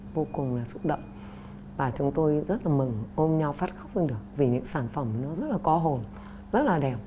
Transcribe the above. vô cùng là xúc động và chúng tôi rất là mừng ôm nhau phát khóc lên được vì những sản phẩm nó rất là có hồn rất là đẹp